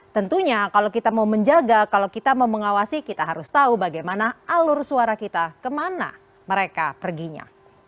tentunya kalau kita mau menjaga kalau kita mau mengawasi kita harus tahu bagaimana alur suara kita kemana mereka perginya